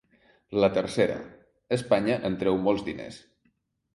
La tercera: Espanya en treu molts diners.